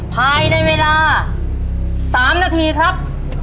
ภายในเวลา๓นาทีครับ